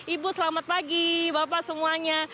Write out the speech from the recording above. ibu selamat pagi bapak semuanya